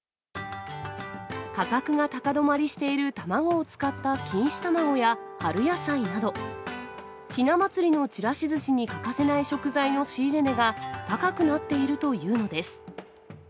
価格が高止まりしている卵を使った錦糸卵や春野菜など、ひな祭りのちらしずしに欠かせない食材の仕入れ値が高くなっているというのです。